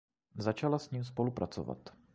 Začala s ním spolupracovat.